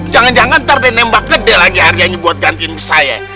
jangan jangan ntar nembak gede lagi harganya buat gantiin ke saya